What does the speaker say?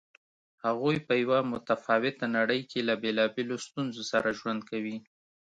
هغوی په یوه متفاوته نړۍ کې له بېلابېلو ستونزو سره ژوند کوي.